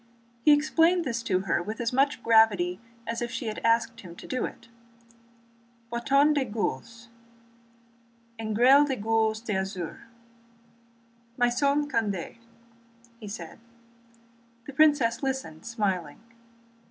He explained this to her with as much gravity as if she had asked him to do it. "Bâton de gueules, engrêlé de gueules d'azur—maison Condé," said he. The princess listened, smiling.